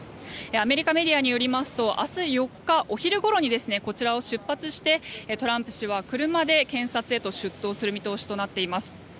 アメリカメディアによりますと明日４日お昼ごろにこちらを出発してトランプ氏は車で検察へと出頭する見通しとなっています。